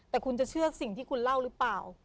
แต่คุณจะเชื่อสิ่งที่คุณเล่าหรือเปล่า